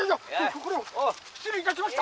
これは失礼いたしました」。